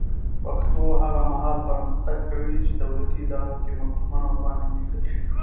پښتو هغه مهال پرمختګ کوي چې دولتي ادارو کې مکتوبونه ورباندې ولیکل شي.